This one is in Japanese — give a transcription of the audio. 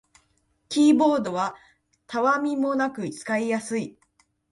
キーボードはたわみもなく使いやすい